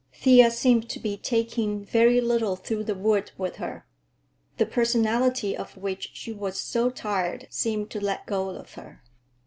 Thea seemed to be taking very little through the wood with her. The personality of which she was so tired seemed to let go of her.